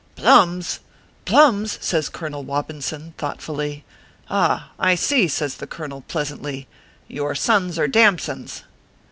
"Plums ! plums !" says Colonel Wobinson, thought fully. " Ah ! I see," says the colonel, pleasantly, " your sons are damsons."